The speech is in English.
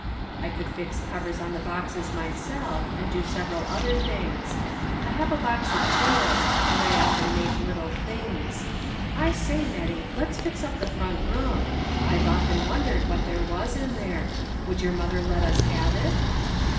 I could fix covers on the bores myself, and do several other things. I have a box of tools, and I often make little things. I say, Nettie, let's fix up the front room. I've often wondered what there was in there. Would your mother let us have it?"